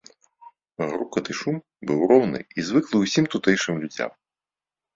Грукат і шум быў роўны і звыклы ўсім тутэйшым людзям.